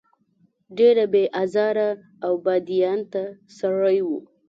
ډېر بې آزاره او بادیانته سړی و.